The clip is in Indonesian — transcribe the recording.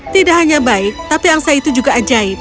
tidak hanya baik tapi angsa itu juga ajaib